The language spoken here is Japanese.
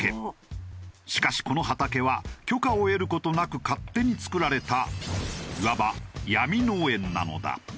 しかしこの畑は許可を得る事なく勝手に作られたいわば闇農園なのだ。